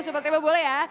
seperti apa boleh ya